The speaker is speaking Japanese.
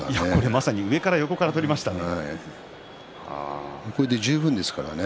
まさに上から横から取りましたからね。